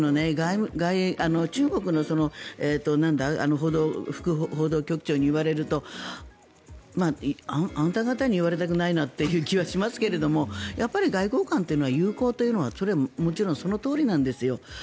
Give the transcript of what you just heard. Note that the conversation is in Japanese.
中国の副報道局長に言われるとあんた方に言われたくないという気はしますがやっぱり外交官っていうのは友好というのはもちろんそのとおりなんですよ。